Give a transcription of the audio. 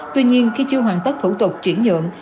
tuy nhiên khi chưa hoàn tất thủ tục chuyển nhượng